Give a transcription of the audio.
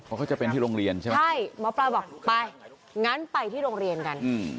เพราะเขาจะเป็นที่โรงเรียนใช่ไหมใช่หมอปลาบอกไปงั้นไปที่โรงเรียนกันอืม